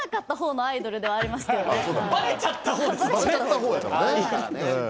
バレちゃった方やからね。